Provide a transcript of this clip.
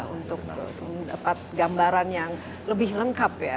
untuk mendapat gambaran yang lebih lengkap ya